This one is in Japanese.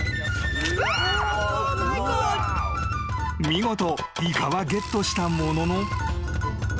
［見事イカはゲットしたものの］